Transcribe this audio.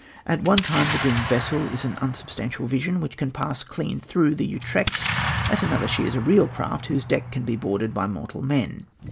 At one time the doomed vessel is an unsubstantial vision, which can pass clean through the Utrecht; at another she is a real craft, whose deck can be boarded by mortal men.